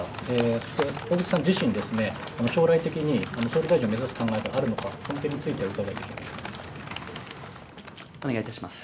そして小渕さん自身ですね、将来的に総理大臣を目指す考えがあるのか、この点についてお伺いいたします。